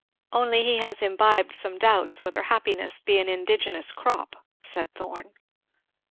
"Only he has imbibed some doubts whether happiness be an indigenous crop," said Thorn.